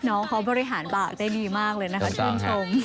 น้องเค้าบริหารปากได้ดีมากเลยนะคะช่วง